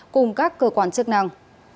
cùng các cơ quan chức năng